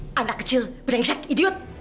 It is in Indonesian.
anak kecil brengsek idiot